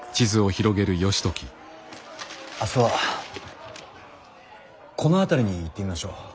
明日はこの辺りに行ってみましょう。